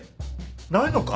ないのか？